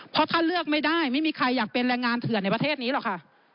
เพราะถ้าเลือกไม่ได้ไม่มีใครอยากเป็นแรงงานเถื่อนในประเทศนี้หรอกค่ะ